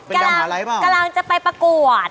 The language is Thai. กำลังจะไปประกวด